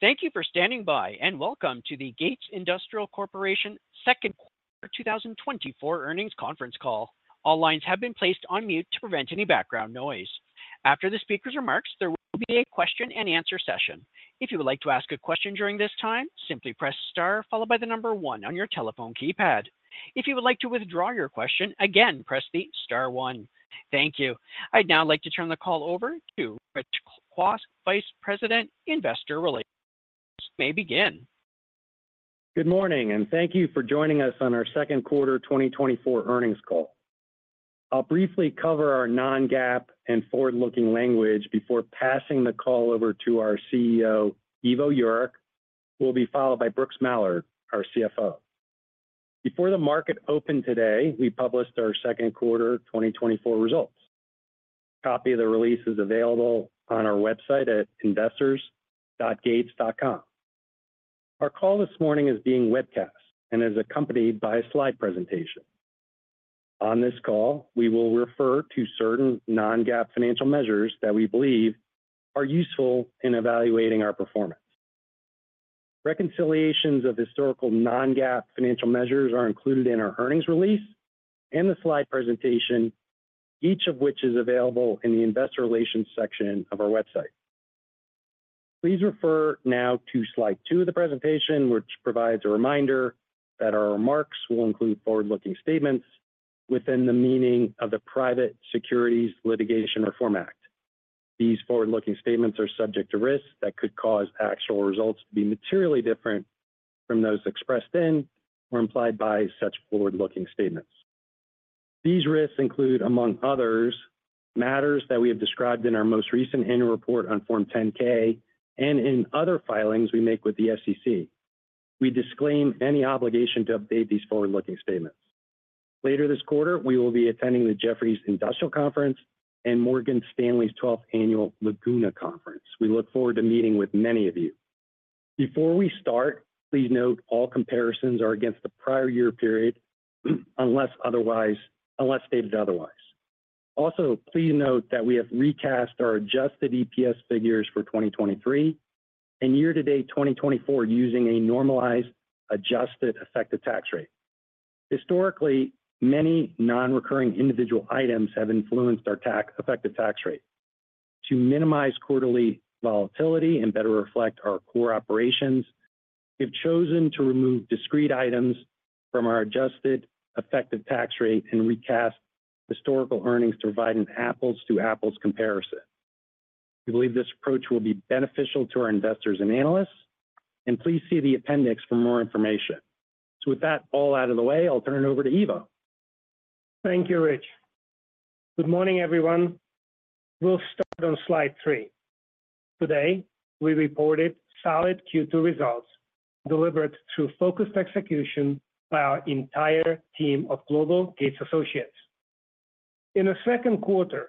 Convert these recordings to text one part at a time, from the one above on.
Thank you for standing by, and welcome to the Gates Industrial Corporation second quarter 2024 earnings conference call. All lines have been placed on mute to prevent any background noise. After the speaker's remarks, there will be a question-and-answer session. If you would like to ask a question during this time, simply press star followed by the number one on your telephone keypad. If you would like to withdraw your question, again, press the star one. Thank you. I'd now like to turn the call over to Rich Kwas, Vice President, Investor Relations. May begin. Good morning, and thank you for joining us on our second quarter 2024 earnings call. I'll briefly cover our non-GAAP and forward-looking language before passing the call over to our CEO, Ivo Jurek. We'll be followed by Brooks Mallard, our CFO. Before the market opened today, we published our second quarter 2024 results. A copy of the release is available on our website at investors.gates.com. Our call this morning is being webcast and is accompanied by a slide presentation. On this call, we will refer to certain non-GAAP financial measures that we believe are useful in evaluating our performance. Reconciliations of historical non-GAAP financial measures are included in our earnings release and the slide presentation, each of which is available in the Investor Relations section of our website. Please refer now to slide two of the presentation, which provides a reminder that our remarks will include forward-looking statements within the meaning of the Private Securities Litigation Reform Act. These forward-looking statements are subject to risks that could cause actual results to be materially different from those expressed in or implied by such forward-looking statements. These risks include, among others, matters that we have described in our most recent annual report on Form 10-K and in other filings we make with the SEC. We disclaim any obligation to update these forward-looking statements. Later this quarter, we will be attending the Jefferies Industrials Conference and Morgan Stanley's 12th Annual Laguna Conference. We look forward to meeting with many of you. Before we start, please note all comparisons are against the prior year period unless stated otherwise. Also, please note that we have recast our adjusted EPS figures for 2023 and year-to-date 2024 using a normalized adjusted effective tax rate. Historically, many non-recurring individual items have influenced our effective tax rate. To minimize quarterly volatility and better reflect our core operations, we have chosen to remove discrete items from our adjusted effective tax rate and recast historical earnings to provide an apples-to-apples comparison. We believe this approach will be beneficial to our investors and analysts, and please see the appendix for more information. So with that all out of the way, I'll turn it over to Ivo. Thank you, Rich. Good morning, everyone. We'll start on slide 3. Today, we reported solid Q2 results delivered through focused execution by our entire team of global Gates associates. In the second quarter,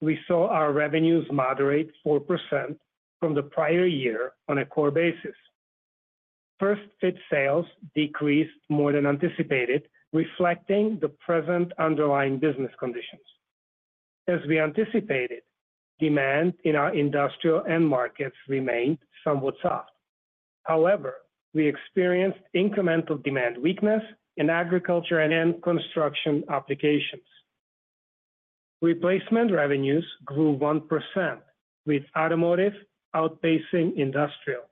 we saw our revenues moderate 4% from the prior year on a core basis. First-fit sales decreased more than anticipated, reflecting the present underlying business conditions. As we anticipated, demand in our industrial end markets remained somewhat soft. However, we experienced incremental demand weakness in agriculture and construction applications. Replacement revenues grew 1%, with automotive outpacing industrial.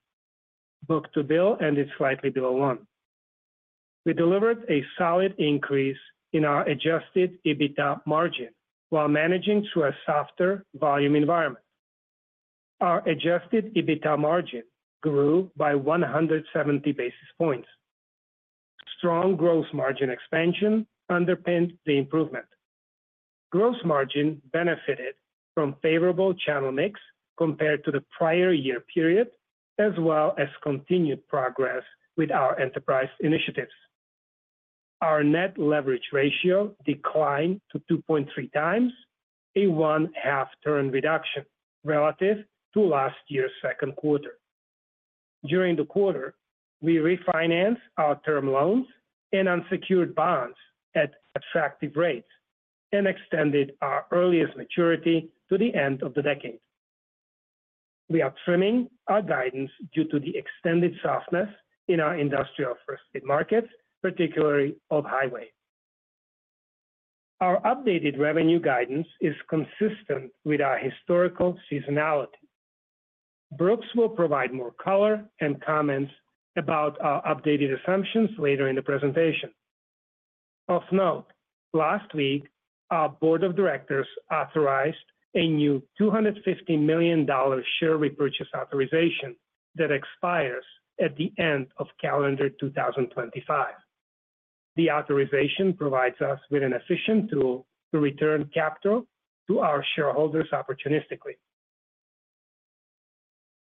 Book-to-bill ended slightly below one. We delivered a solid increase in our adjusted EBITDA margin while managing through a softer volume environment. Our adjusted EBITDA margin grew by 170 basis points. Strong gross margin expansion underpinned the improvement. Gross margin benefited from favorable channel mix compared to the prior year period, as well as continued progress with our enterprise initiatives. Our net leverage ratio declined to 2.3 times, a 0.5-turn reduction relative to last year's second quarter. During the quarter, we refinanced our term loans and unsecured bonds at attractive rates and extended our earliest maturity to the end of the decade. We are trimming our guidance due to the extended softness in our industrial first-fit markets, particularly off-highway. Our updated revenue guidance is consistent with our historical seasonality. Brooks will provide more color and comments about our updated assumptions later in the presentation. Of note, last week, our board of directors authorized a new $250 million share repurchase authorization that expires at the end of calendar 2025. The authorization provides us with an efficient tool to return capital to our shareholders opportunistically.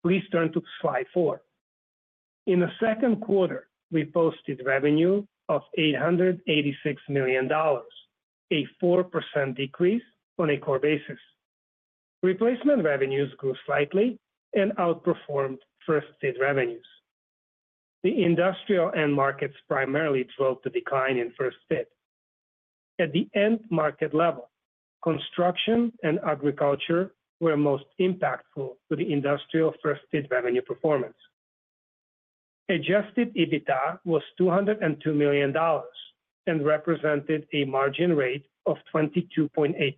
Please turn to slide four. In the second quarter, we posted revenue of $886 million, a 4% decrease on a core basis. Replacement revenues grew slightly and outperformed First-Fit revenues. The industrial end markets primarily drove the decline in First-Fit. At the end market level, construction and agriculture were most impactful to the industrial First-Fit revenue performance. Adjusted EBITDA was $202 million and represented a margin rate of 22.8%,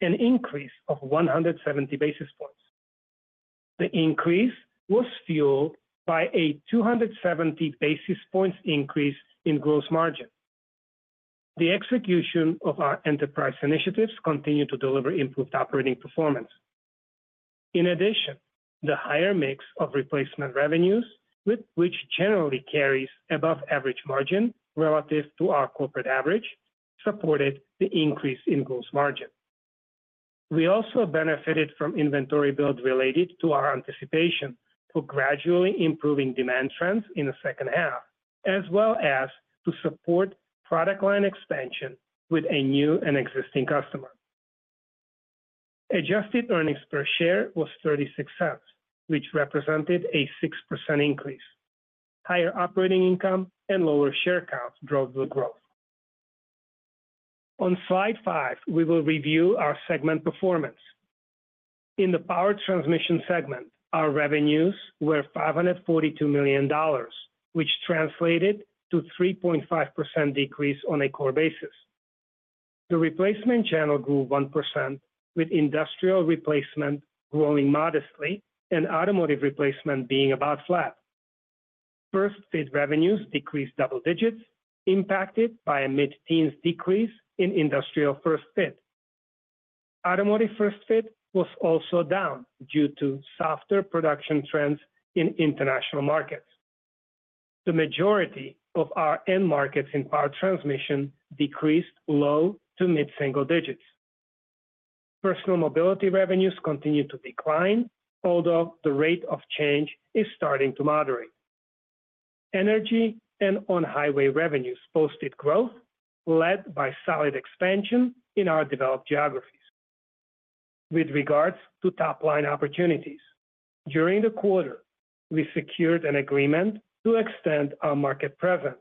an increase of 170 basis points. The increase was fueled by a 270 basis points increase in gross margin. The execution of our enterprise initiatives continued to deliver improved operating performance. In addition, the higher mix of Replacement revenues, which generally carries above-average margin relative to our corporate average, supported the increase in gross margin. We also benefited from inventory build related to our anticipation for gradually improving demand trends in the second half, as well as to support product line expansion with a new and existing customer. Adjusted Earnings Per Share was $0.36, which represented a 6% increase. Higher operating income and lower share count drove the growth. On slide 5, we will review our segment performance. In the Power Transmission segment, our revenues were $542 million, which translated to a 3.5% decrease on a core basis. The replacement channel grew 1%, with industrial replacement growing modestly and automotive replacement being about flat. First-fit revenues decreased double digits, impacted by a mid-teens decrease in industrial first-fit. Automotive first-fit was also down due to softer production trends in international markets. The majority of our end markets in Power Transmission decreased low to mid-single digits. Personal Mobility revenues continued to decline, although the rate of change is starting to moderate. Energy and On-Highway revenues posted growth, led by solid expansion in our developed geographies. With regards to top-line opportunities, during the quarter, we secured an agreement to extend our market presence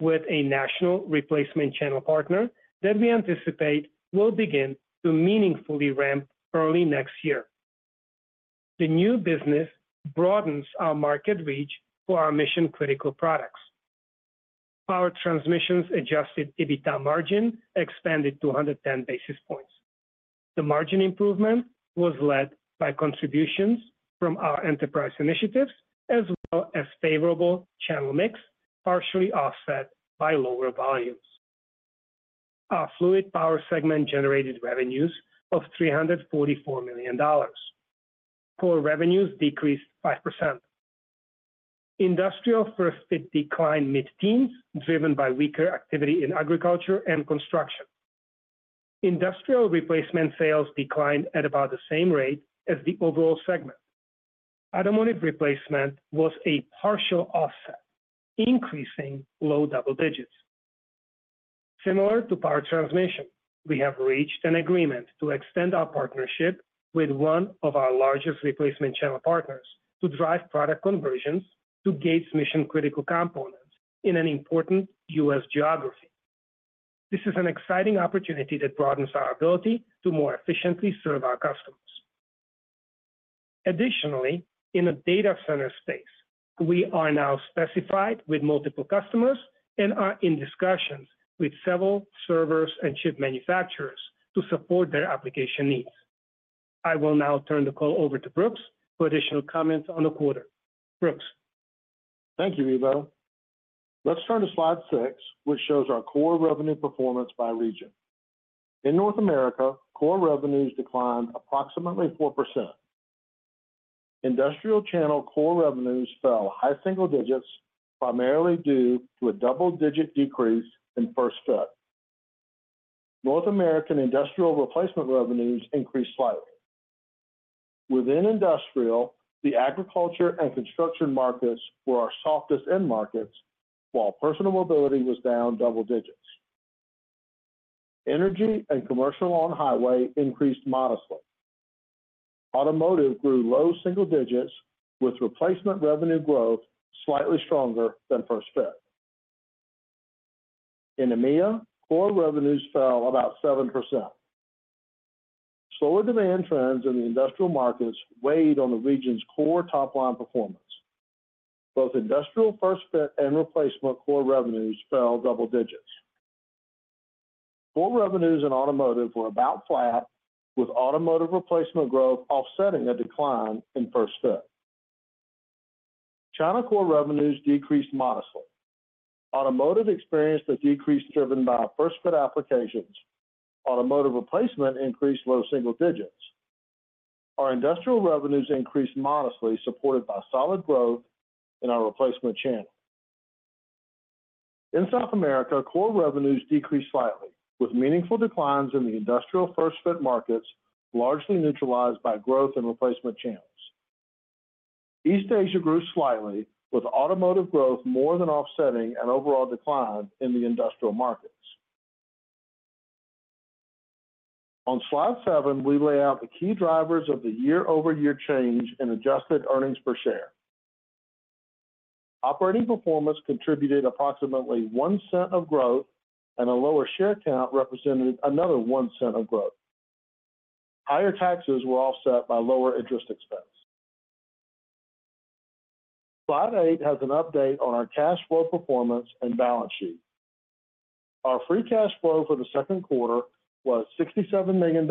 with a national Replacement channel partner that we anticipate will begin to meaningfully ramp early next year. The new business broadens our market reach for our mission-critical products. Power Transmission's Adjusted EBITDA margin expanded 210 basis points. The margin improvement was led by contributions from our enterprise initiatives, as well as favorable channel mix, partially offset by lower volumes. Our Fluid Power segment generated revenues of $344 million. Core revenues decreased 5%. Industrial First-Fit declined mid-teens, driven by weaker activity in agriculture and construction. Industrial Replacement sales declined at about the same rate as the overall segment. Automotive replacement was a partial offset, increasing low double digits. Similar to power transmission, we have reached an agreement to extend our partnership with one of our largest replacement channel partners to drive product conversions to Gates' mission-critical components in an important U.S. geography. This is an exciting opportunity that broadens our ability to more efficiently serve our customers. Additionally, in the data center space, we are now specified with multiple customers and are in discussions with several servers and chip manufacturers to support their application needs. I will now turn the call over to Brooks for additional comments on the quarter. Brooks. Thank you, Ivo. Let's turn to slide 6, which shows our core revenue performance by region. In North America, core revenues declined approximately 4%. Industrial channel core revenues fell high single digits, primarily due to a double-digit decrease in First-Fit. North American Industrial Replacement revenues increased slightly. Within Industrial, the agriculture and construction markets were our softest end markets, while Personal Mobility was down double digits. Energy and commercial On-Highway increased modestly. Automotive grew low single digits, with Replacement revenue growth slightly stronger than First-Fit. In EMEA, core revenues fell about 7%. Slower demand trends in the Industrial markets weighed on the region's core top-line performance. Both Industrial First-Fit and Replacement core revenues fell double digits. Core revenues in Automotive were about flat, with Automotive Replacement growth offsetting a decline in First-Fit. China core revenues decreased modestly. Automotive experienced a decrease driven by First-Fit applications. Automotive replacement increased low single digits. Our industrial revenues increased modestly, supported by solid growth in our replacement channel. In South America, core revenues decreased slightly, with meaningful declines in the industrial first-fit markets, largely neutralized by growth in replacement channels. East Asia grew slightly, with automotive growth more than offsetting an overall decline in the industrial markets. On slide seven, we lay out the key drivers of the year-over-year change in adjusted earnings per share. Operating performance contributed approximately 1% of growth, and a lower share count represented another 1% of growth. Higher taxes were offset by lower interest expense. Slide eight has an update on our cash flow performance and balance sheet. Our free cash flow for the second quarter was $67 million,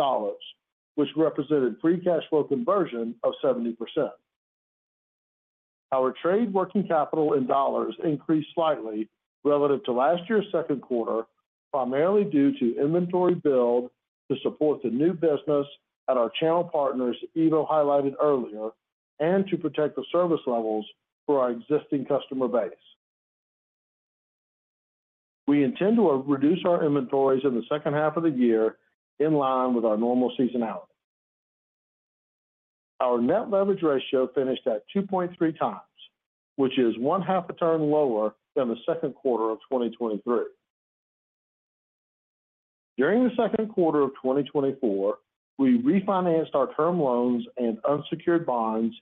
which represented free cash flow conversion of 70%. Our trade working capital in dollars increased slightly relative to last year's second quarter, primarily due to inventory build to support the new business at our channel partners Ivo highlighted earlier and to protect the service levels for our existing customer base. We intend to reduce our inventories in the second half of the year in line with our normal seasonality. Our net leverage ratio finished at 2.3 times, which is one half a turn lower than the second quarter of 2023. During the second quarter of 2024, we refinanced our term loans and unsecured bonds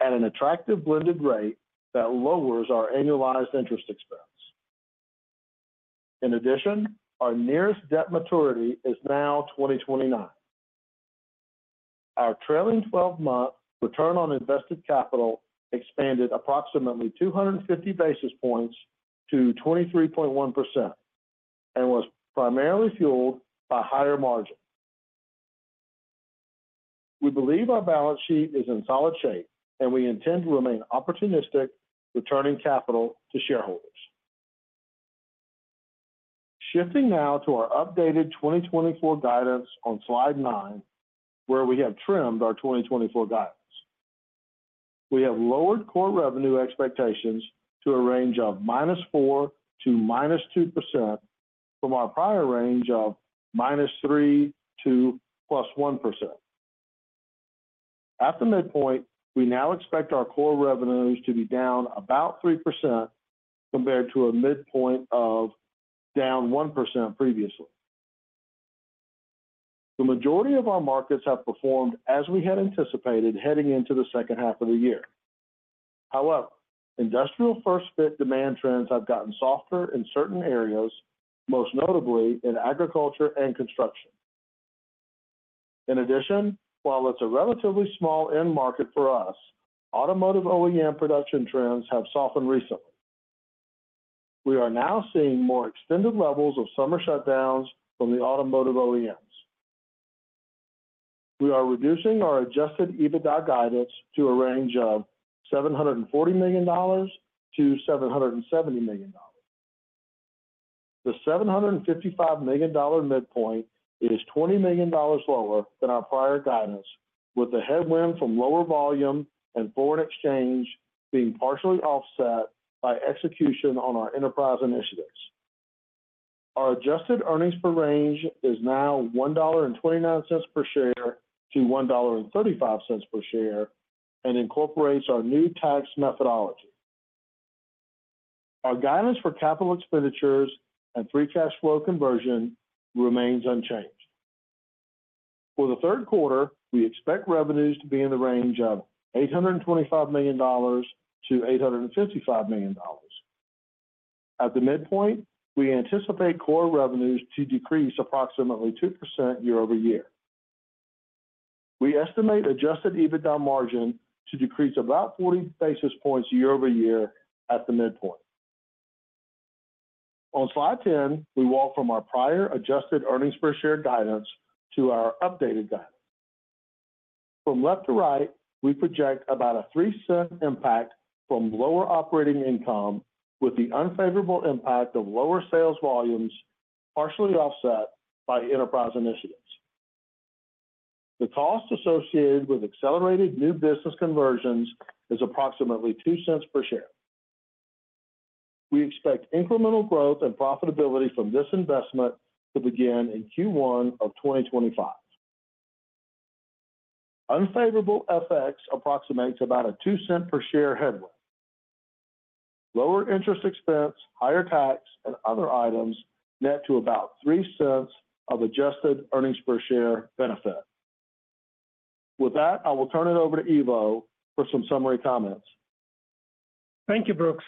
at an attractive blended rate that lowers our annualized interest expense. In addition, our nearest debt maturity is now 2029. Our trailing 12-month return on invested capital expanded approximately 250 basis points to 23.1% and was primarily fueled by higher margin. We believe our balance sheet is in solid shape, and we intend to remain opportunistic returning capital to shareholders. Shifting now to our updated 2024 guidance on slide 9, where we have trimmed our 2024 guidance. We have lowered core revenue expectations to a range of -4% to -2% from our prior range of -3% to +1%. At the midpoint, we now expect our core revenues to be down about 3% compared to a midpoint of down 1% previously. The majority of our markets have performed as we had anticipated heading into the second half of the year. However, industrial first-fit demand trends have gotten softer in certain areas, most notably in agriculture and construction. In addition, while it's a relatively small end market for us, automotive OEM production trends have softened recently. We are now seeing more extended levels of summer shutdowns from the automotive OEMs. We are reducing our Adjusted EBITDA guidance to a range of $740 million-$770 million. The $755 million midpoint is $20 million lower than our prior guidance, with the headwind from lower volume and foreign exchange being partially offset by execution on our enterprise initiatives. Our adjusted earnings per share range is now $1.29-$1.35 per share and incorporates our new tax methodology. Our guidance for capital expenditures and free cash flow conversion remains unchanged. For the third quarter, we expect revenues to be in the range of $825 million-$855 million. At the midpoint, we anticipate core revenues to decrease approximately 2% year-over-year. We estimate Adjusted EBITDA margin to decrease about 40 basis points year-over-year at the midpoint. On slide 10, we walk from our prior Adjusted Earnings Per Share guidance to our updated guidance. From left to right, we project about a 3% impact from lower operating income, with the unfavorable impact of lower sales volumes partially offset by enterprise initiatives. The cost associated with accelerated new business conversions is approximately $0.02 per share. We expect incremental growth and profitability from this investment to begin in Q1 of 2025. Unfavorable effects approximate about a $0.02 per share headwind. Lower interest expense, higher tax, and other items net to about $0.03 of Adjusted Earnings Per Share benefit. With that, I will turn it over to Ivo for some summary comments. Thank you, Brooks.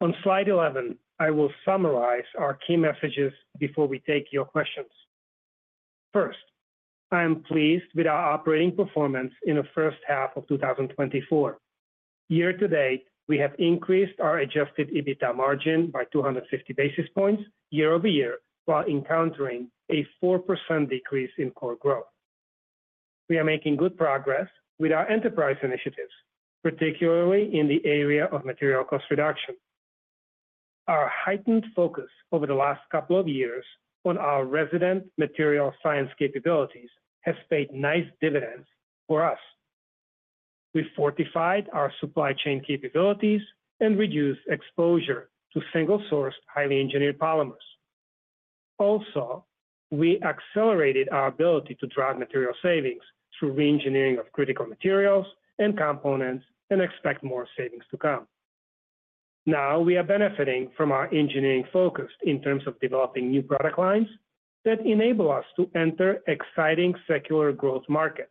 On slide 11, I will summarize our key messages before we take your questions. First, I am pleased with our operating performance in the first half of 2024. Year to date, we have increased our adjusted EBITDA margin by 250 basis points year-over-year, while encountering a 4% decrease in core growth. We are making good progress with our enterprise initiatives, particularly in the area of material cost reduction. Our heightened focus over the last couple of years on our resident material science capabilities has paid nice dividends for us. We fortified our supply chain capabilities and reduced exposure to single-sourced highly engineered polymers. Also, we accelerated our ability to drive material savings through re-engineering of critical materials and components and expect more savings to come. Now we are benefiting from our engineering focus in terms of developing new product lines that enable us to enter exciting secular growth markets.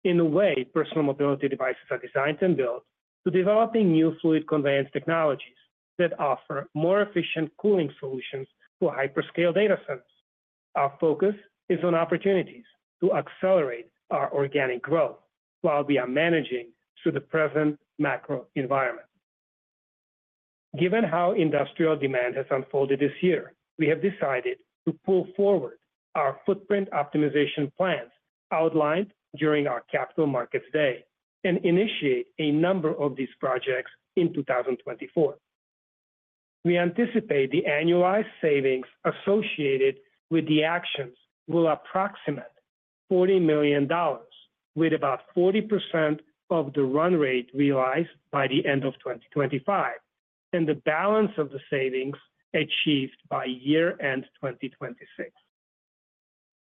From driving a change in the way personal mobility devices are designed and built, to developing new fluid conveyance technologies that offer more efficient cooling solutions for hyperscale data centers, our focus is on opportunities to accelerate our organic growth while we are managing through the present macro environment. Given how industrial demand has unfolded this year, we have decided to pull forward our footprint optimization plans outlined during our Capital Markets Day and initiate a number of these projects in 2024. We anticipate the annualized savings associated with the actions will approximate $40 million, with about 40% of the run rate realized by the end of 2025 and the balance of the savings achieved by year-end 2026.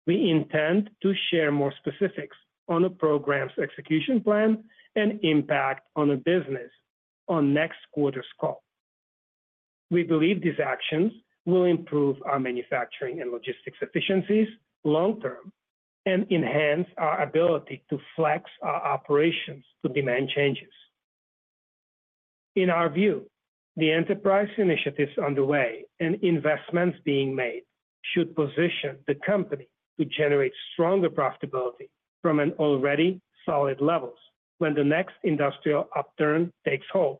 We intend to share more specifics on the program's execution plan and impact on the business on next quarter's call. We believe these actions will improve our manufacturing and logistics efficiencies long-term and enhance our ability to flex our operations to demand changes. In our view, the enterprise initiatives underway and investments being made should position the company to generate stronger profitability from already solid levels when the next industrial upturn takes hold.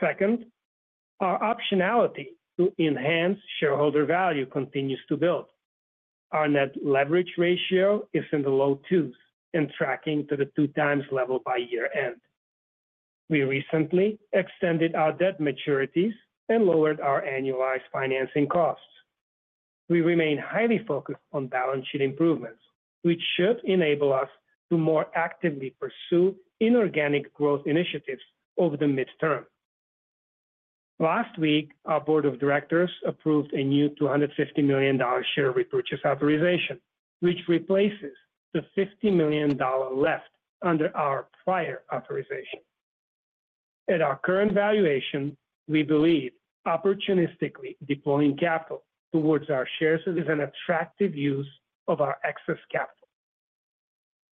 Second, our optionality to enhance shareholder value continues to build. Our net leverage ratio is in the low 2s and tracking to the 2x level by year-end. We recently extended our debt maturities and lowered our annualized financing costs. We remain highly focused on balance sheet improvements, which should enable us to more actively pursue inorganic growth initiatives over the midterm. Last week, our board of directors approved a new $250 million share repurchase authorization, which replaces the $50 million left under our prior authorization. At our current valuation, we believe opportunistically deploying capital towards our shares is an attractive use of our excess capital.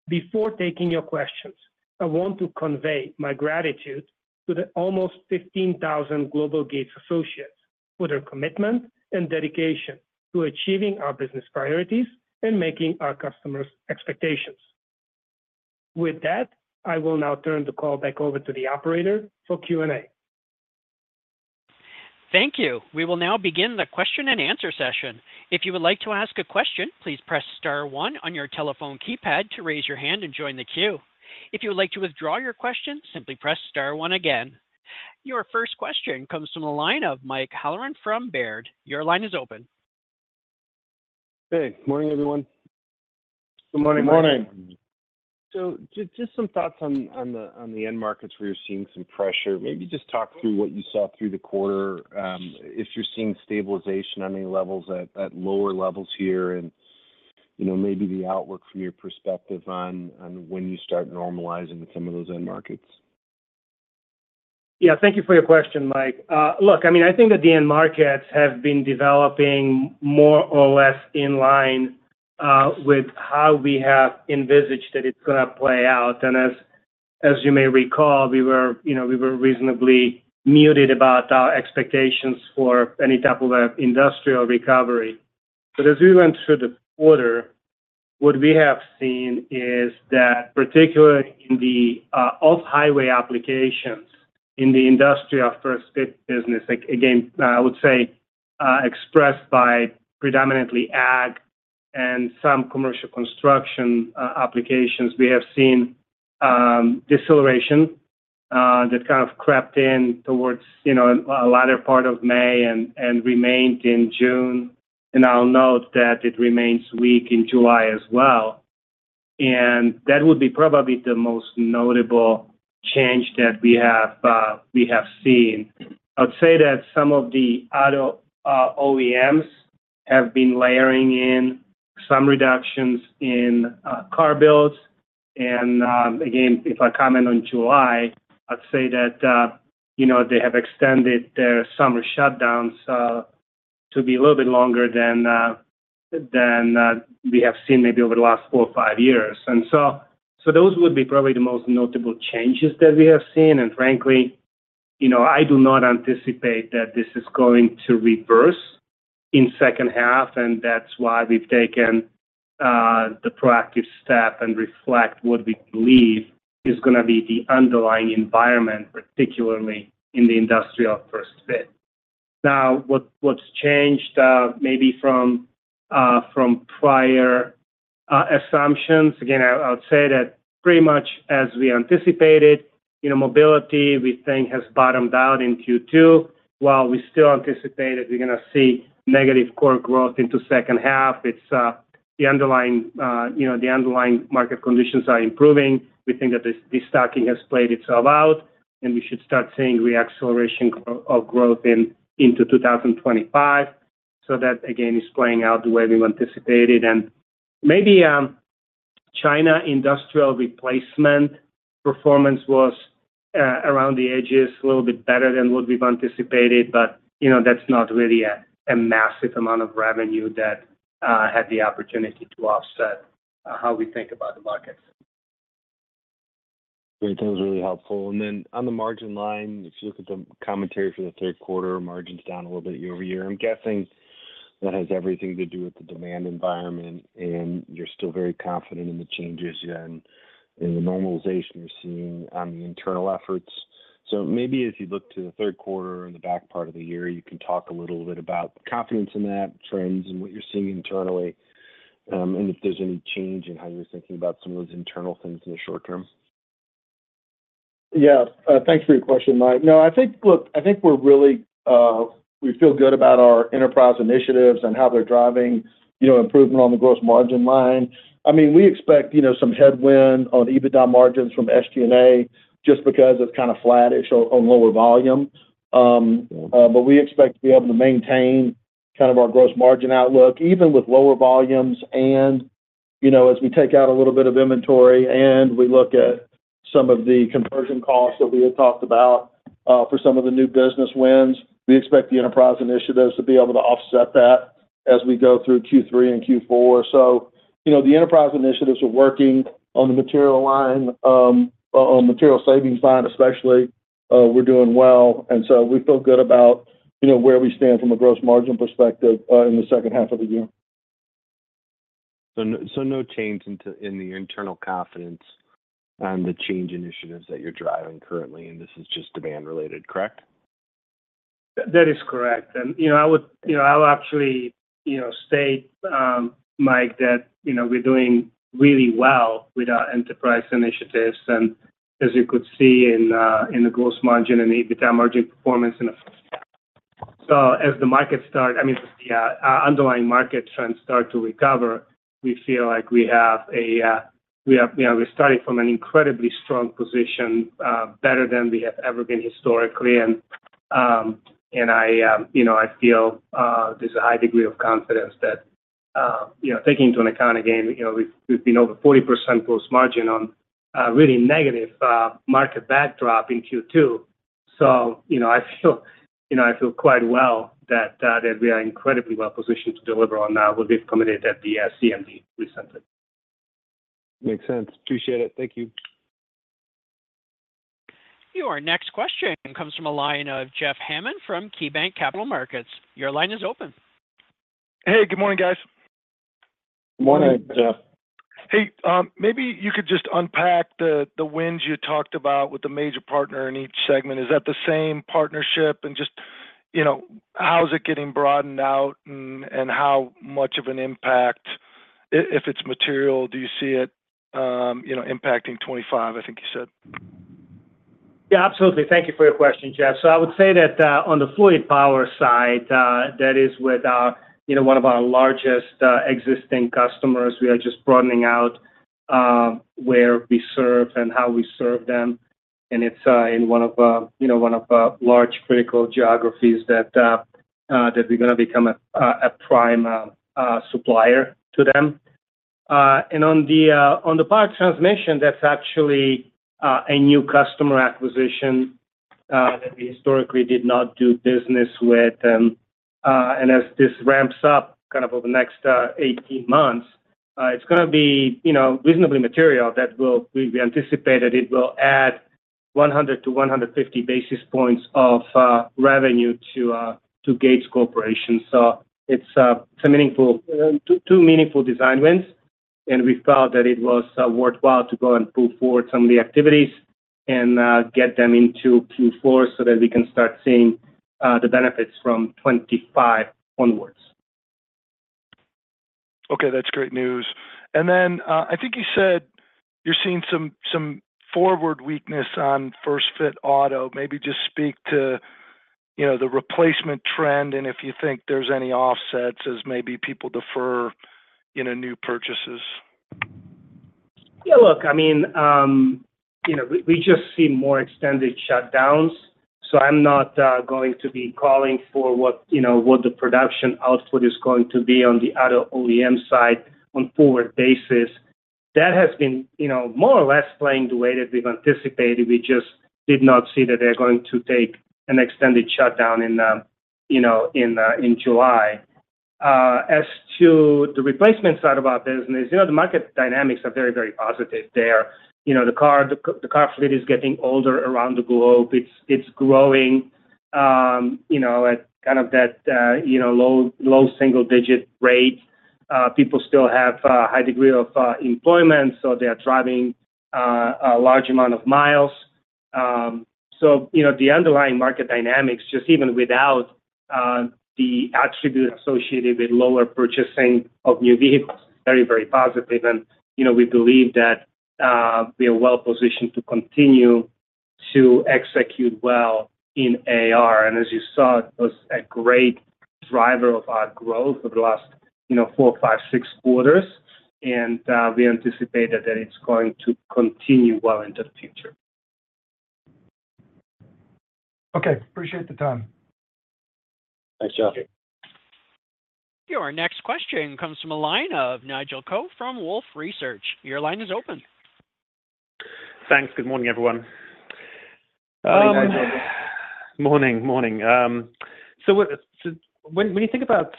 Before taking your questions, I want to convey my gratitude to the almost 15,000 Global Gates associates for their commitment and dedication to achieving our business priorities and meeting our customers' expectations. With that, I will now turn the call back over to the operator for Q&A. Thank you. We will now begin the question and answer session. If you would like to ask a question, please press star one on your telephone keypad to raise your hand and join the queue. If you would like to withdraw your question, simply press star one again. Your first question comes from the line of Mike Halloran from Baird. Your line is open. Hey. Good morning, everyone. Good morning. Morning. Just some thoughts on the end markets where you're seeing some pressure. Maybe just talk through what you saw through the quarter. If you're seeing stabilization on any levels at lower levels here and maybe the outlook from your perspective on when you start normalizing some of those end markets? Yeah. Thank you for your question, Mike. Look, I mean, I think that the end markets have been developing more or less in line with how we have envisaged that it's going to play out. And as you may recall, we were reasonably muted about our expectations for any type of industrial recovery. But as we went through the quarter, what we have seen is that particularly in the off-highway applications in the industrial First-Fit business, again, I would say expressed by predominantly ag and some commercial construction applications, we have seen deceleration that kind of crept in towards the latter part of May and remained in June. And I'll note that it remains weak in July as well. And that would be probably the most notable change that we have seen. I'd say that some of the auto OEMs have been layering in some reductions in car builds. Again, if I comment on July, I'd say that they have extended their summer shutdowns to be a little bit longer than we have seen maybe over the last four or five years. So those would be probably the most notable changes that we have seen. Frankly, I do not anticipate that this is going to reverse in the second half, and that's why we've taken the proactive step and reflect what we believe is going to be the underlying environment, particularly in the industry of First-Fit. Now, what's changed maybe from prior assumptions? Again, I would say that pretty much as we anticipated, mobility, we think, has bottomed out in Q2. While we still anticipate that we're going to see negative core growth into the second half, the underlying market conditions are improving. We think that this stocking has played itself out, and we should start seeing re-acceleration of growth into 2025. So that, again, is playing out the way we've anticipated. And maybe China industrial replacement performance was around the edges, a little bit better than what we've anticipated, but that's not really a massive amount of revenue that had the opportunity to offset how we think about the markets. Great. That was really helpful. And then on the margin line, if you look at the commentary for the third quarter, margins down a little bit year-over-year. I'm guessing that has everything to do with the demand environment, and you're still very confident in the changes and the normalization you're seeing on the internal efforts. So maybe as you look to the third quarter and the back part of the year, you can talk a little bit about confidence in that, trends, and what you're seeing internally, and if there's any change in how you're thinking about some of those internal things in the short term. Yeah. Thanks for your question, Mike. No, I think, look, I think we feel good about our enterprise initiatives and how they're driving improvement on the gross margin line. I mean, we expect some headwind on EBITDA margins from SG&A just because it's kind of flattish on lower volume. But we expect to be able to maintain kind of our gross margin outlook, even with lower volumes, and as we take out a little bit of inventory and we look at some of the conversion costs that we had talked about for some of the new business wins, we expect the enterprise initiatives to be able to offset that as we go through Q3 and Q4. So the enterprise initiatives are working on the material line, on material savings line, especially. We're doing well. We feel good about where we stand from a gross margin perspective in the second half of the year. No change in the internal confidence on the change initiatives that you're driving currently, and this is just demand-related, correct? That is correct. And I would actually state, Mike, that we're doing really well with our enterprise initiatives, and as you could see in the gross margin and EBITDA margin performance in the first half. So as the market start, I mean, yeah, our underlying market trends start to recover, we feel like we're starting from an incredibly strong position, better than we have ever been historically. And I feel there's a high degree of confidence that taking into account, again, we've been over 40% gross margin on a really negative market backdrop in Q2. So I feel quite well that we are incredibly well-positioned to deliver on what we've committed at the CMD recently. Makes sense. Appreciate it. Thank you. Your next question comes from a line of Jeff Hammond from KeyBanc Capital Markets. Your line is open. Hey, good morning, guys. Good morning, Jeff. Hey. Maybe you could just unpack the wins you talked about with the major partner in each segment. Is that the same partnership? And just how is it getting broadened out, and how much of an impact, if it's material, do you see it impacting 2025, I think you said? Yeah, absolutely. Thank you for your question, Jeff. So I would say that on the fluid power side, that is with one of our largest existing customers. We are just broadening out where we serve and how we serve them. And it's in one of our large critical geographies that we're going to become a prime supplier to them. And on the power transmission, that's actually a new customer acquisition that we historically did not do business with. And as this ramps up kind of over the next 18 months, it's going to be reasonably material that we anticipate that it will add 100-150 basis points of revenue to Gates Corporation. So it's two meaningful design wins. We felt that it was worthwhile to go and pull forward some of the activities and get them into Q4 so that we can start seeing the benefits from 2025 onwards. Okay. That's great news. And then I think you said you're seeing some forward weakness on First-Fit auto. Maybe just speak to the replacement trend and if you think there's any offsets as maybe people defer new purchases. Yeah. Look, I mean, we just see more extended shutdowns. So I'm not going to be calling for what the production output is going to be on the auto OEM side on forward basis. That has been more or less playing the way that we've anticipated. We just did not see that they're going to take an extended shutdown in July. As to the replacement side of our business, the market dynamics are very, very positive there. The car fleet is getting older around the globe. It's growing at kind of that low single-digit rate. People still have a high degree of employment, so they are driving a large amount of miles. So the underlying market dynamics, just even without the attribute associated with lower purchasing of new vehicles, is very, very positive. And we believe that we are well-positioned to continue to execute well in AR. As you saw, it was a great driver of our growth over the last four, five, six quarters. We anticipate that it's going to continue well into the future. Okay. Appreciate the time. Thanks, Jeff. Your next question comes from a line of Nigel Coe from Wolfe Research. Your line is open. Thanks. Good morning, everyone. Hi, Nigel. Morning. Morning. So when you think about,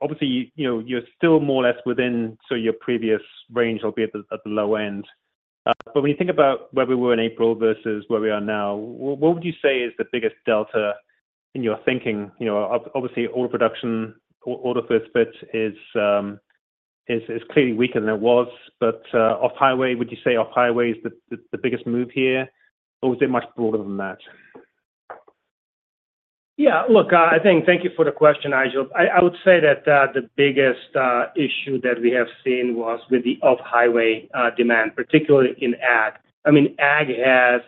obviously, you're still more or less within your previous range, albeit at the low end. But when you think about where we were in April versus where we are now, what would you say is the biggest delta in your thinking? Obviously, auto production, auto First-Fit is clearly weaker than it was. But Off-Highway, would you say Off-Highway is the biggest move here, or was it much broader than that? Yeah. Look, I think thank you for the question, Nigel. I would say that the biggest issue that we have seen was with the off-highway demand, particularly in ag. I mean, ag has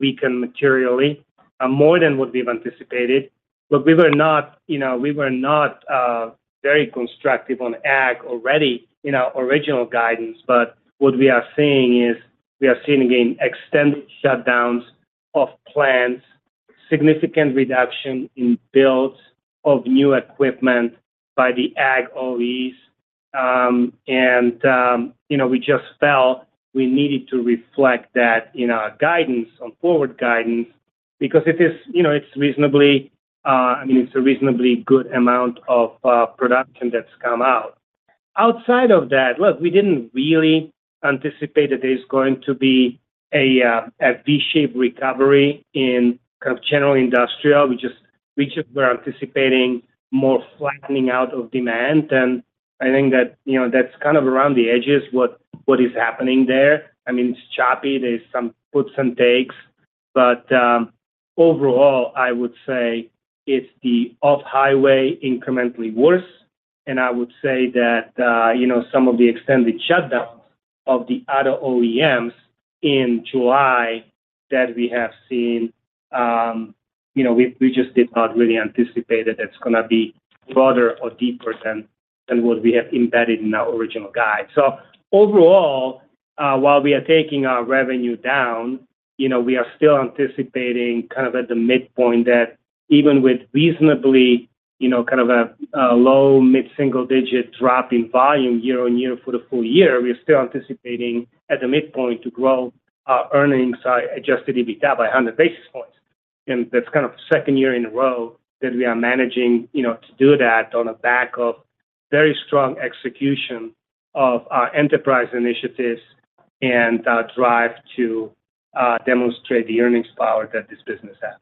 weakened materially more than what we've anticipated. Look, we were not very constructive on ag already in our original guidance. But what we are seeing is we are seeing, again, extended shutdowns of plants, significant reduction in builds of new equipment by the ag OEs. And we just felt we needed to reflect that in our guidance, on forward guidance, because it's reasonably—I mean, it's a reasonably good amount of production that's come out. Outside of that, look, we didn't really anticipate that there's going to be a V-shaped recovery in kind of general industrial. We just were anticipating more flattening out of demand. I think that that's kind of around the edges what is happening there. I mean, it's choppy. There's some puts and takes. But overall, I would say it's the off-highway incrementally worse. And I would say that some of the extended shutdowns of the auto OEMs in July that we have seen, we just did not really anticipate that that's going to be broader or deeper than what we have embedded in our original guide. So overall, while we are taking our revenue down, we are still anticipating kind of at the midpoint that even with reasonably kind of a low mid-single-digit drop in volume year-on-year for the full year, we're still anticipating at the midpoint to grow our Adjusted EBITDA by 100 basis points. That's the second year in a row that we are managing to do that on the back of very strong execution of our enterprise initiatives and our drive to demonstrate the earnings power that this business has.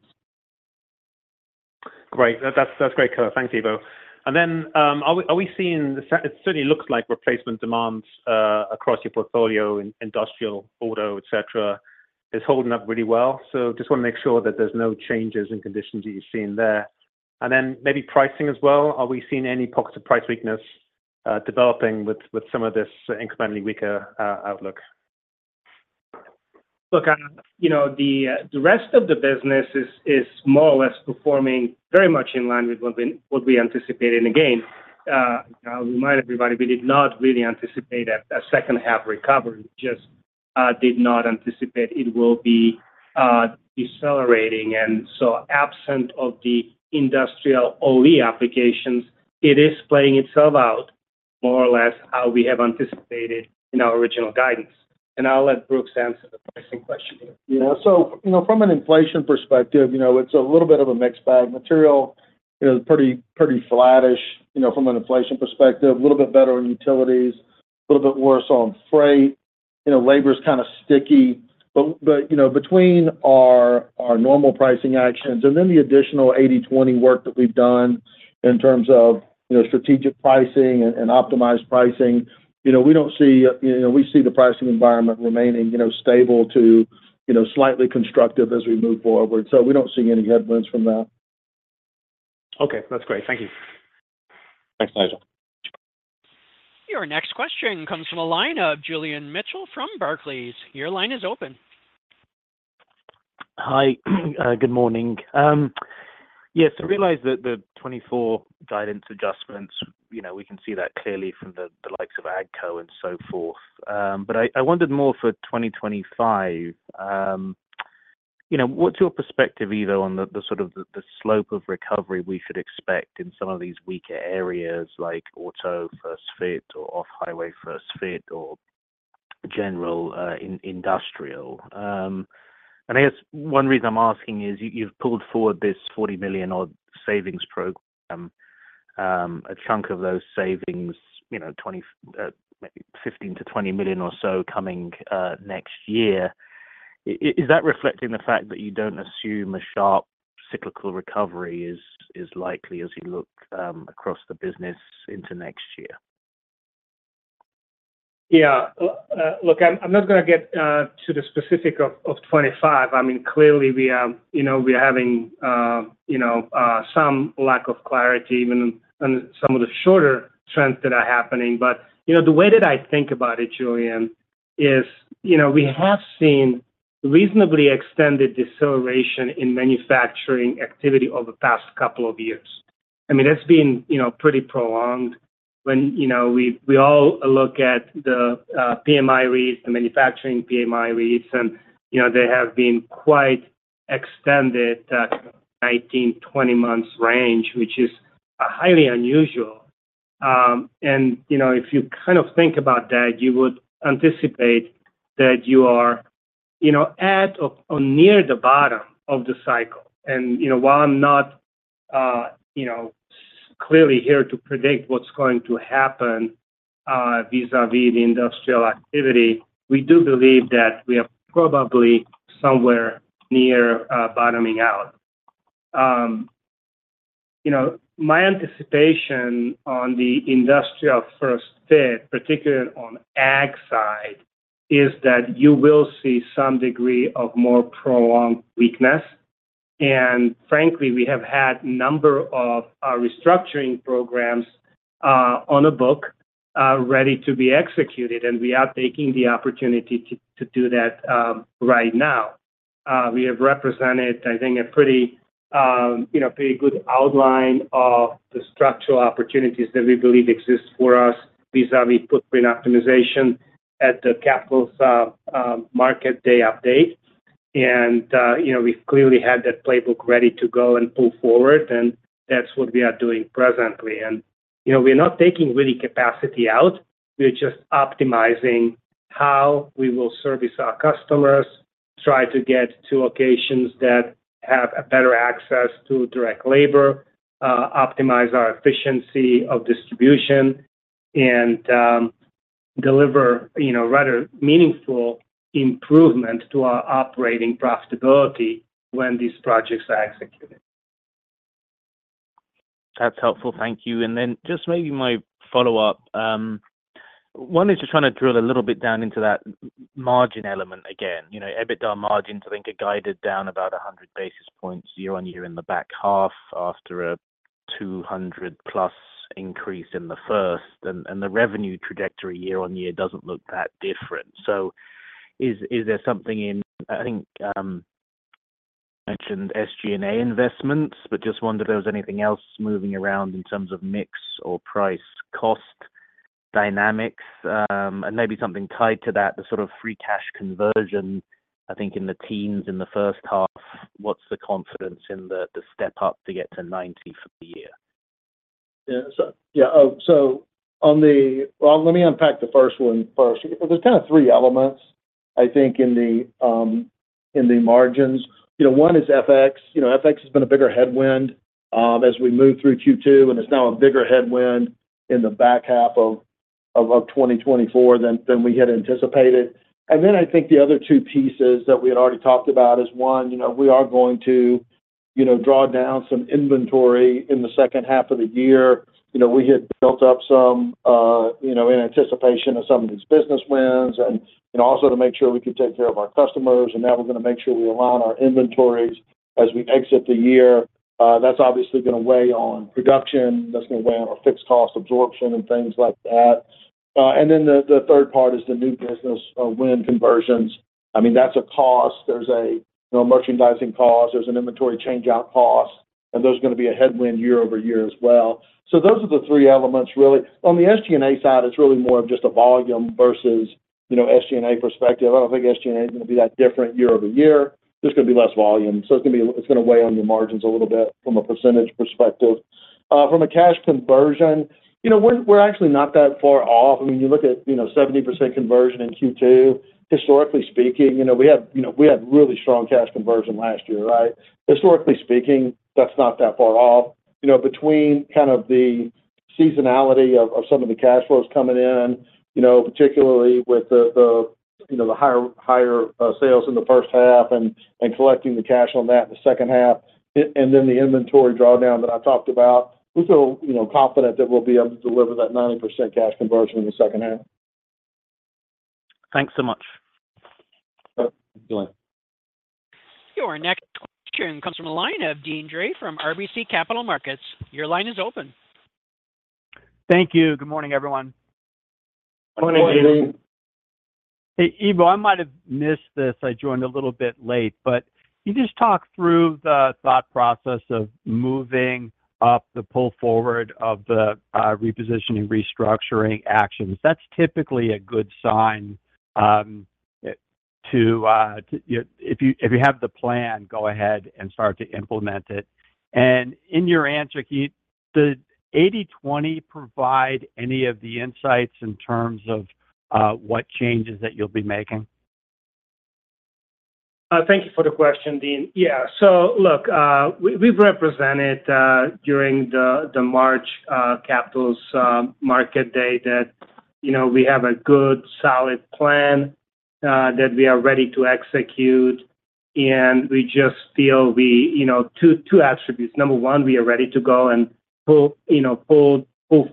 Great. That's great clarity. Thanks, Ivo. And then are we seeing—it certainly looks like replacement demands across your portfolio, industrial, auto, etc., is holding up really well. So just want to make sure that there's no changes in conditions that you've seen there. And then maybe pricing as well. Are we seeing any pockets of price weakness developing with some of this incrementally weaker outlook? Look, the rest of the business is more or less performing very much in line with what we anticipated. And again, I'll remind everybody, we did not really anticipate a second-half recovery. We just did not anticipate it will be decelerating. And so absent of the industrial OE applications, it is playing itself out more or less how we have anticipated in our original guidance. And I'll let Brooks answer the pricing question. Yeah. So from an inflation perspective, it's a little bit of a mixed bag. Material is pretty flattish from an inflation perspective, a little bit better on utilities, a little bit worse on freight. Labor is kind of sticky. But between our normal pricing actions and then the additional 80/20 work that we've done in terms of strategic pricing and optimized pricing, we don't see—we see the pricing environment remaining stable to slightly constructive as we move forward. So we don't see any headwinds from that. Okay. That's great. Thank you. Thanks, Nigel. Your next question comes from a line of Julian Mitchell from Barclays. Your line is open. Hi. Good morning. Yes. I realize that the 2024 guidance adjustments, we can see that clearly from the likes of AGCO and so forth. But I wondered more for 2025. What's your perspective, Ivo, on the sort of the slope of recovery we should expect in some of these weaker areas like auto first-fit or off-highway first-fit or general industrial? And I guess one reason I'm asking is you've pulled forward this $40 million-odd savings program, a chunk of those savings, $15 million-$20 million or so coming next year. Is that reflecting the fact that you don't assume a sharp cyclical recovery is likely as you look across the business into next year? Yeah. Look, I'm not going to get to the specific of 2025. I mean, clearly, we are having some lack of clarity even on some of the shorter trends that are happening. But the way that I think about it, Julian, is we have seen reasonably extended deceleration in manufacturing activity over the past couple of years. I mean, that's been pretty prolonged when we all look at the PMI reads, the manufacturing PMI reads, and they have been quite extended, 19-20 months range, which is highly unusual. And if you kind of think about that, you would anticipate that you are at or near the bottom of the cycle. And while I'm not clearly here to predict what's going to happen vis-à-vis the industrial activity, we do believe that we are probably somewhere near bottoming out. My anticipation on the industrial First-Fit, particularly on ag side, is that you will see some degree of more prolonged weakness. Frankly, we have had a number of restructuring programs on a book ready to be executed. We are taking the opportunity to do that right now. We have represented, I think, a pretty good outline of the structural opportunities that we believe exist for us vis-à-vis footprint optimization at the Capital Market Day update. We've clearly had that playbook ready to go and pull forward. That's what we are doing presently. We're not taking really capacity out. We're just optimizing how we will service our customers, try to get to locations that have better access to direct labor, optimize our efficiency of distribution, and deliver rather meaningful improvement to our operating profitability when these projects are executed. That's helpful. Thank you. And then just maybe my follow-up. One is just trying to drill a little bit down into that margin element again. EBITDA margins, I think, are guided down about 100 basis points year-on-year in the back half after a 200+ increase in the first. And the revenue trajectory year-on-year doesn't look that different. So is there something in, I think, you mentioned SG&A investments, but just wondered if there was anything else moving around in terms of mix or price-cost dynamics. And maybe something tied to that, the sort of free cash conversion, I think, in the teens in the first half. What's the confidence in the step up to get to 90% for the year? Yeah. So let me unpack the first one first. There's kind of three elements, I think, in the margins. One is FX. FX has been a bigger headwind as we move through Q2. And it's now a bigger headwind in the back half of 2024 than we had anticipated. And then I think the other two pieces that we had already talked about is, one, we are going to draw down some inventory in the second half of the year. We had built up some in anticipation of some of these business wins and also to make sure we could take care of our customers. And now we're going to make sure we align our inventories as we exit the year. That's obviously going to weigh on production. That's going to weigh on our fixed cost absorption and things like that. The third part is the new business win conversions. I mean, that's a cost. There's a merchandising cost. There's an inventory changeout cost. And those are going to be a headwind year-over-year as well. Those are the three elements, really. On the SG&A side, it's really more of just a volume versus SG&A perspective. I don't think SG&A is going to be that different year-over-year. There's going to be less volume. It's going to weigh on your margins a little bit from a percentage perspective. From a cash conversion, we're actually not that far off. I mean, you look at 70% conversion in Q2. Historically speaking, we had really strong cash conversion last year, right? Historically speaking, that's not that far off. Between kind of the seasonality of some of the cash flows coming in, particularly with the higher sales in the first half and collecting the cash on that in the second half, and then the inventory drawdown that I talked about, we feel confident that we'll be able to deliver that 90% cash conversion in the second half. Thanks so much. Thank you, Julian. Your next question comes from a line of Deane Dray from RBC Capital Markets. Your line is open. Thank you. Good morning, everyone. Good morning, Julian. Hey, Ivo, I might have missed this. I joined a little bit late. But you just talked through the thought process of moving up the pull forward of the repositioning, restructuring actions. That's typically a good sign to, if you have the plan, go ahead and start to implement it. And in your answer, did 80/20 provide any of the insights in terms of what changes that you'll be making? Thank you for the question, Deane. Yeah. So look, we've represented during the March capital markets day that we have a good solid plan that we are ready to execute. And we just feel we—two attributes. Number one, we are ready to go and pull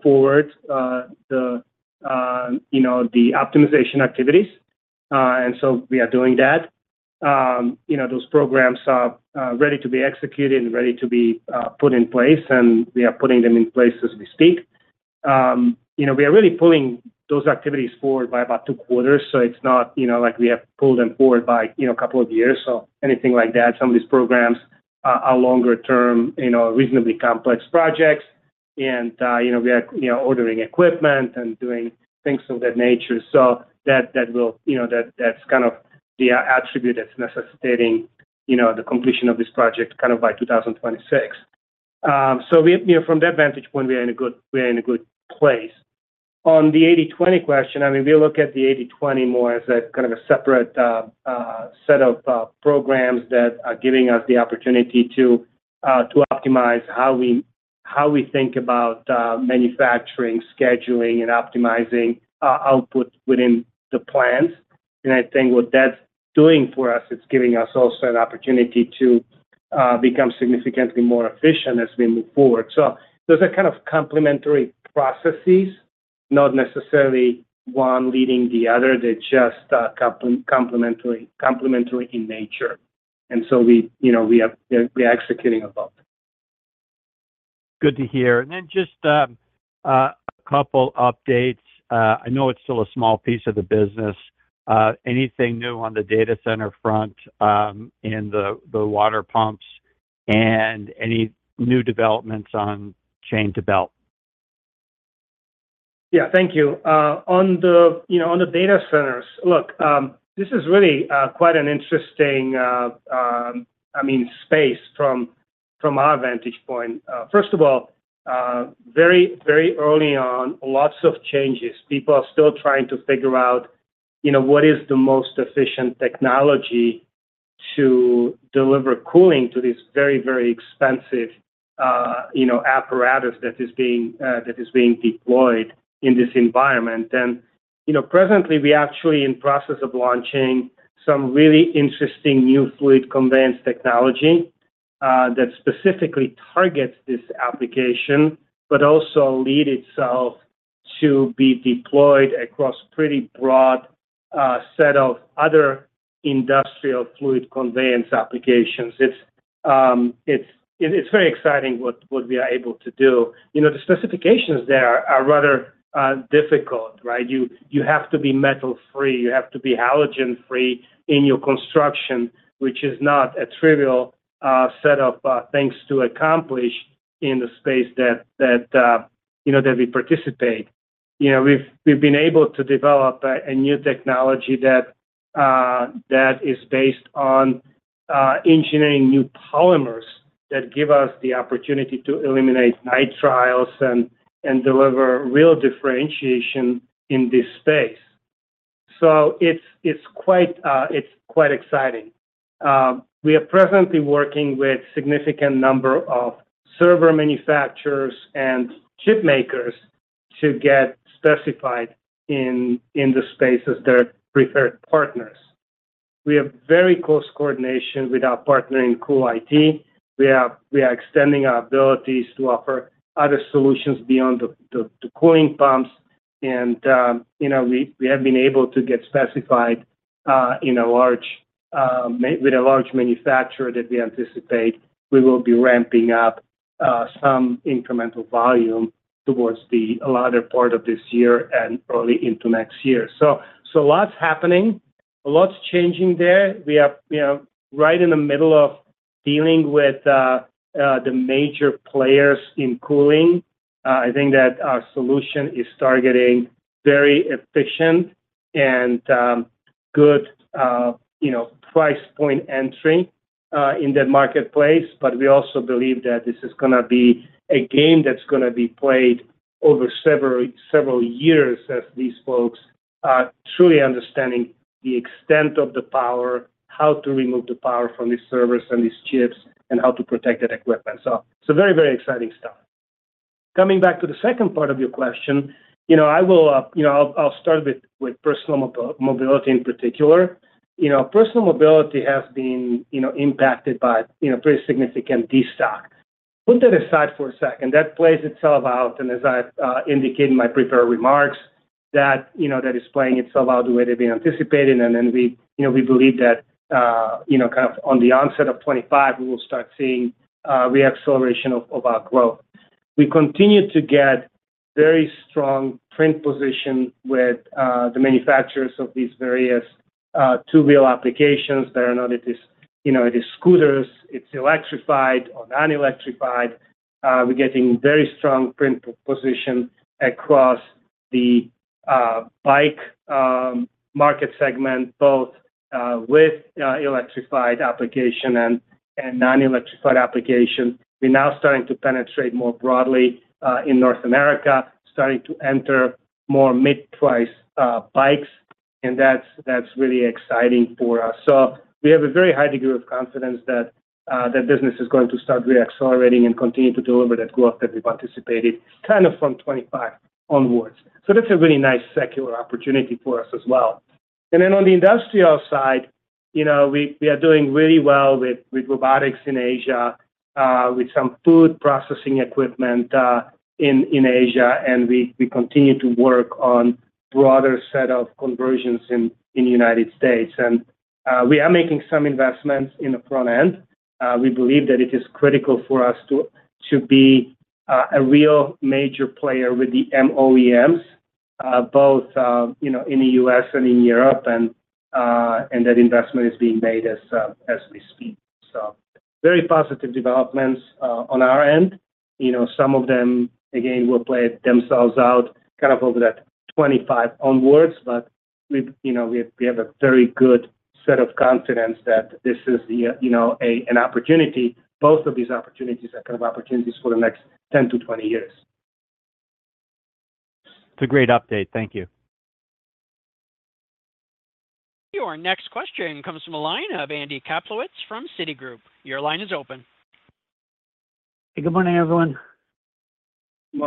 forward the optimization activities. And so we are doing that. Those programs are ready to be executed and ready to be put in place. And we are putting them in place as we speak. We are really pulling those activities forward by about 2 quarters. So it's not like we have pulled them forward by a couple of years. So anything like that, some of these programs are longer-term, reasonably complex projects. And we are ordering equipment and doing things of that nature. So that will—that's kind of the attribute that's necessitating the completion of this project kind of by 2026. From that vantage point, we are in a good place. On the 80/20 question, I mean, we look at the 80/20 more as kind of a separate set of programs that are giving us the opportunity to optimize how we think about manufacturing, scheduling, and optimizing output within the plans. I think what that's doing for us, it's giving us also an opportunity to become significantly more efficient as we move forward. Those are kind of complementary processes, not necessarily one leading the other. They're just complementary in nature. We are executing above. Good to hear. And then just a couple of updates. I know it's still a small piece of the business. Anything new on the data center front in the water pumps and any new developments on Chain-to-Belt? Yeah. Thank you. On the data centers, look, this is really quite an interesting, I mean, space from our vantage point. First of all, very early on, lots of changes. People are still trying to figure out what is the most efficient technology to deliver cooling to this very, very expensive apparatus that is being deployed in this environment. And presently, we are actually in the process of launching some really interesting new fluid conveyance technology that specifically targets this application but also leads itself to be deployed across a pretty broad set of other industrial fluid conveyance applications. It's very exciting what we are able to do. The specifications there are rather difficult, right? You have to be metal-free. You have to be halogen-free in your construction, which is not a trivial set of things to accomplish in the space that we participate. We've been able to develop a new technology that is based on engineering new polymers that give us the opportunity to eliminate nitriles and deliver real differentiation in this space. So it's quite exciting. We are presently working with a significant number of server manufacturers and chip makers to get specified in the space as their preferred partners. We have very close coordination with our partner in CoolIT. We are extending our abilities to offer other solutions beyond the cooling pumps. We have been able to get specified with a large manufacturer that we anticipate we will be ramping up some incremental volume towards the latter part of this year and early into next year. So lots happening. Lots changing there. We are right in the middle of dealing with the major players in cooling. I think that our solution is targeting very efficient and good price point entry in the marketplace. But we also believe that this is going to be a game that's going to be played over several years as these folks truly understand the extent of the power, how to remove the power from these servers and these chips, and how to protect that equipment. So it's very, very exciting stuff. Coming back to the second part of your question, I will start with Personal Mobility in particular. Personal Mobility has been impacted by pretty significant destocking. Put that aside for a second. That plays itself out. As I indicated in my prepared remarks, that is playing itself out the way they've been anticipated. Then we believe that kind of on the onset of 2025, we will start seeing reacceleration of our growth. We continue to get very strong print position with the manufacturers of these various two-wheel applications. There are not only these scooters. It's electrified or non-electrified. We're getting very strong print position across the bike market segment, both with electrified application and non-electrified application. We're now starting to penetrate more broadly in North America, starting to enter more mid-price bikes. That's really exciting for us. We have a very high degree of confidence that the business is going to start reaccelerating and continue to deliver that growth that we've anticipated kind of from 2025 onwards. That's a really nice secular opportunity for us as well. Then on the industrial side, we are doing really well with robotics in Asia, with some food processing equipment in Asia. We continue to work on a broader set of conversions in the United States. We are making some investments in the front end. We believe that it is critical for us to be a real major player with the OEMs, both in the U.S. and in Europe. That investment is being made as we speak. Very positive developments on our end. Some of them, again, will play themselves out kind of over that 2025 onwards. We have a very good set of confidence that this is an opportunity. Both of these opportunities are kind of opportunities for the next 10-20 years. It's a great update. Thank you. Your next question comes from a line of Andy Kaplowitz from Citigroup. Your line is open. Good morning, everyone. Good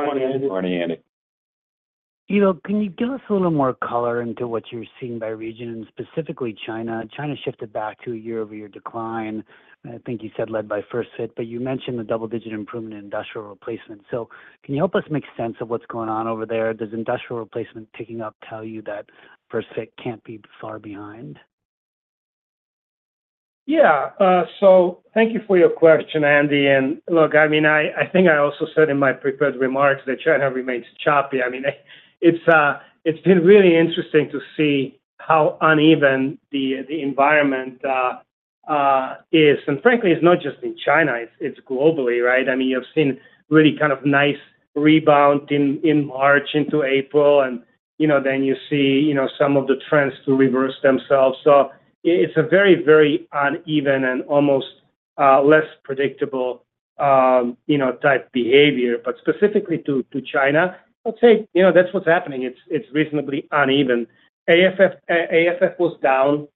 morning, Andy. Good morning, Andy. Can you give us a little more color into what you're seeing by region, and specifically China? China shifted back to a year-over-year decline. I think you said led by First-Fit, but you mentioned the double-digit improvement in industrial replacement. So can you help us make sense of what's going on over there? Does industrial replacement picking up tell you that First-Fit can't be far behind? Yeah. So thank you for your question, Andy. And look, I mean, I think I also said in my prepared remarks that China remains choppy. I mean, it's been really interesting to see how uneven the environment is. And frankly, it's not just in China. It's globally, right? I mean, you've seen really kind of nice rebound in March into April. And then you see some of the trends to reverse themselves. So it's a very, very uneven and almost less predictable type behavior. But specifically to China, I'd say that's what's happening. It's reasonably uneven. AFF was down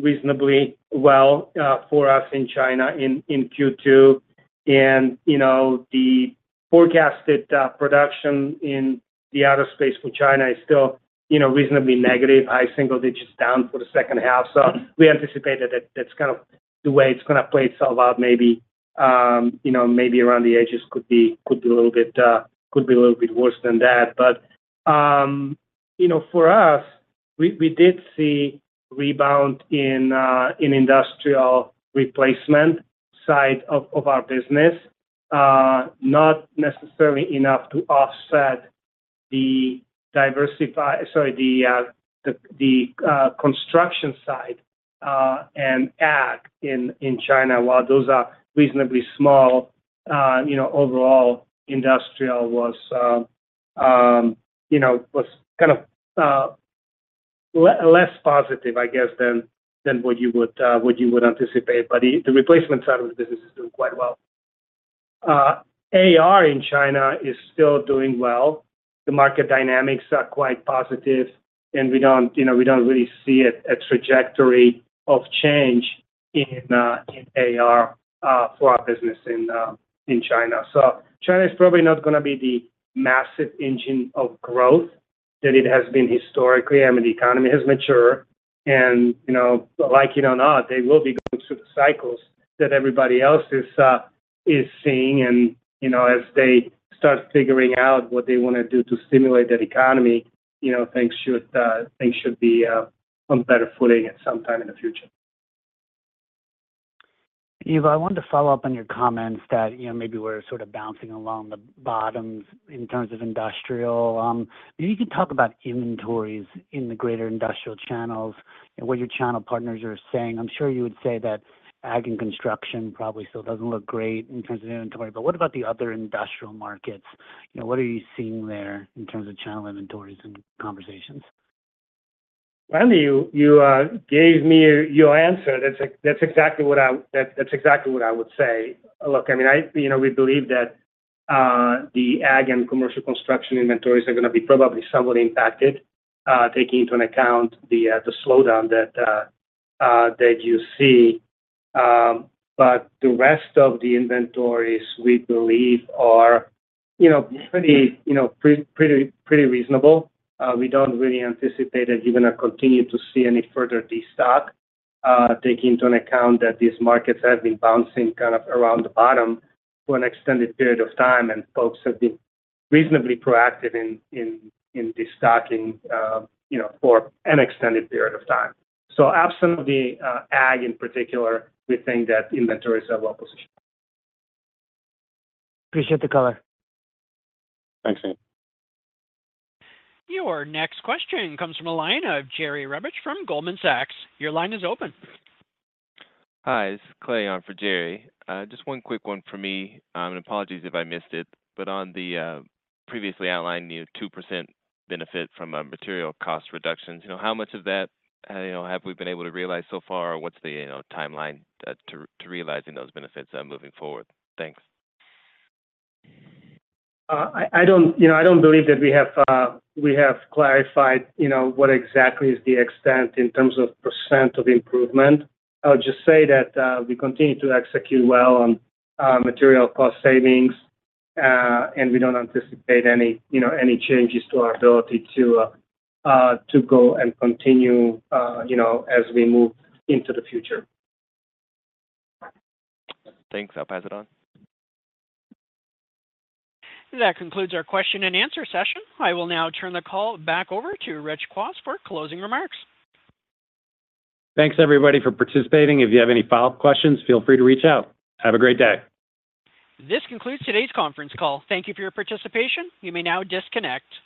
reasonably well for us in China in Q2. And the forecasted production in the auto space for China is still reasonably negative, high single digits down for the second half. So we anticipate that that's kind of the way it's going to play itself out. Maybe around the edges could be a little bit worse than that. But for us, we did see rebound in industrial replacement side of our business, not necessarily enough to offset the diversified, sorry, the construction side and ag in China. While those are reasonably small, overall industrial was kind of less positive, I guess, than what you would anticipate. But the replacement side of the business is doing quite well. AR in China is still doing well. The market dynamics are quite positive. And we don't really see a trajectory of change in AR for our business in China. So China is probably not going to be the massive engine of growth that it has been historically. I mean, the economy has matured. And like it or not, they will be going through the cycles that everybody else is seeing. As they start figuring out what they want to do to stimulate that economy, things should be on better footing at some time in the future. Ivo, I wanted to follow up on your comments that maybe we're sort of bouncing along the bottoms in terms of industrial. Maybe you could talk about inventories in the greater industrial channels and what your channel partners are saying. I'm sure you would say that ag and construction probably still doesn't look great in terms of inventory. But what about the other industrial markets? What are you seeing there in terms of channel inventories and conversations? Well, you gave me your answer. That's exactly what I would say. Look, I mean, we believe that the ag and commercial construction inventories are going to be probably somewhat impacted, taking into account the slowdown that you see. But the rest of the inventories, we believe, are pretty reasonable. We don't really anticipate that you're going to continue to see any further destocking, taking into account that these markets have been bouncing kind of around the bottom for an extended period of time. And folks have been reasonably proactive in destocking for an extended period of time. So absolutely, ag in particular, we think that inventories are well-positioned. Appreciate the color. Thanks, Andy. Your next question comes from a line of Jerry Revich from Goldman Sachs. Your line is open. Hi. This is Clay on for Jerry. Just one quick one for me. Apologies if I missed it. But on the previously outlined 2% benefit from material cost reductions, how much of that have we been able to realize so far? What's the timeline to realizing those benefits moving forward? Thanks. I don't believe that we have clarified what exactly is the extent in terms of percent of improvement. I'll just say that we continue to execute well on material cost savings. We don't anticipate any changes to our ability to go and continue as we move into the future. Thanks. I'll pass it on. That concludes our question and answer session. I will now turn the call back over to Rich Kwas for closing remarks. Thanks, everybody, for participating. If you have any follow-up questions, feel free to reach out. Have a great day. This concludes today's conference call. Thank you for your participation. You may now disconnect.